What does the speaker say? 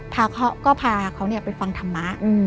พาก็พาเขาไปฟังธรรมะ